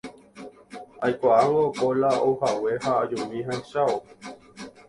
Aikuaángo Kola ouhague ha ajumi ahechávo.